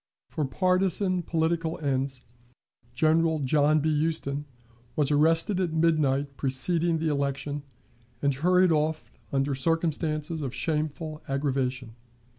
For partisan political ends, General John B. Huston was arrested at midnight preceding the election, and hurried off under circumstances of shameful aggravation.